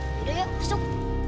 yaudah yuk masuk